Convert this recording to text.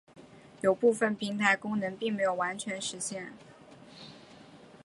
有部分平台功能并没有完全实现。